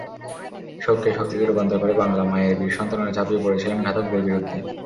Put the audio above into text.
শোককে শক্তিতে রূপান্তর করে বাংলা মায়ের বীর সন্তানেরা ঝাঁপিয়ে পড়েছিলেন ঘাতকদের বিরুদ্ধে।